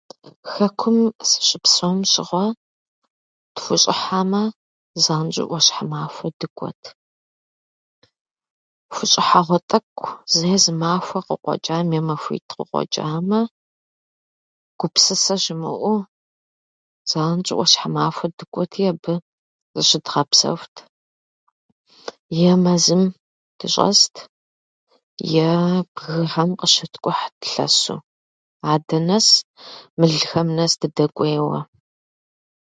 Хэкум сыщыпсэум щыгъуэ, тхущӏыхьэмэ, занщӏэу ӏуащхьэмахуэ дыкӏуэт. Хущӏыхьэгъуэ тӏэкӏу зэ зы махуэ къыкъуэкӏам, е зы махуитӏ къыкъуэкӏамэ, гупсысэ щымыӏэу, занщӏэу ӏуащхьэмахуэ дыкӏуэти, абы зыщыдгъэпсэхут е мэзым дыщӏэст, е бгыхьэм къыщыткӏухьт лъэсу адэ нэс, мылхэм нэс дыдэкӏуейуэ.